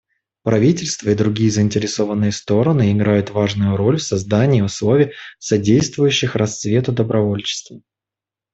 Правительства и другие заинтересованные стороны играют важную роль в создании условий, содействующих расцвету добровольчества.